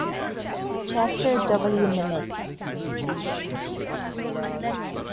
Chester W. Nimitz.